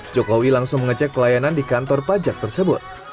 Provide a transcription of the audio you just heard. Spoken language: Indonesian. jokowi langsung mengecek pelayanan di kantor pajak tersebut